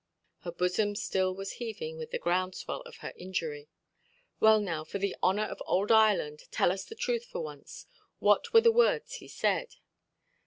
Her bosom still was heaving with the ground–swell of her injury. "Well, now, for the honour of old Ireland, tell us the truth for once. What were the words he said"?